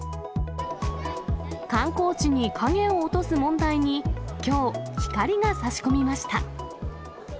観光地に影を落とす問題に、きょう、光がさし込みました。